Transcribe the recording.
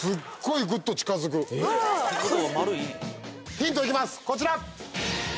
ヒントいきますこちら！